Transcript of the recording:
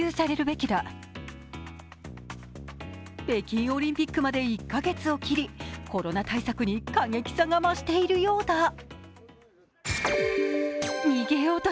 北京オリンピックまで１カ月を切り、コロナ対策に過激さが増しているようだ。